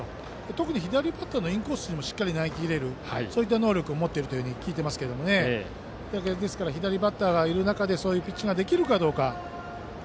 特に左バッターへのインコースにも投げきれるそういった能力を持っていると聞いていますがですから左バッターがいる中でそういうピッチングができるかどうか。